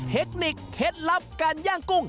เทคนิคเคล็ดลับการย่างกุ้ง